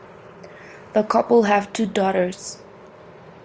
The couple have two daughters.